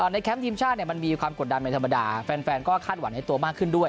แคมป์ทีมชาติมันมีความกดดันเป็นธรรมดาแฟนก็คาดหวังในตัวมากขึ้นด้วย